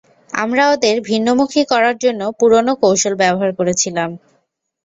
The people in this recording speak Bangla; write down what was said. আমরা ওদের ভিন্নমুখী করার জন্য পুরনো কৌশল ব্যবহার করেছিলাম।